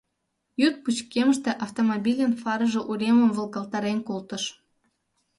Йӱд пычкемыште автомобильын фарыже уремым волгалтарен колтыш.